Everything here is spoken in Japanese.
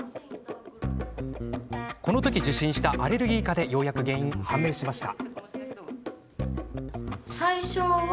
この時、受診したアレルギー科でようやく原因、判明しました。